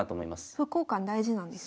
歩交換大事なんですね。